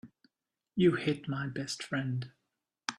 You hit my best friend.